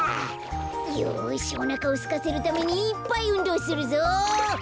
よしおなかをすかせるためにいっぱいうんどうするぞ。